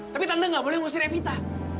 tapi tante gak boleh usir evita